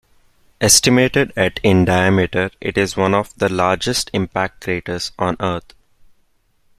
Estimated at in diameter, it is one of the largest impact craters on Earth.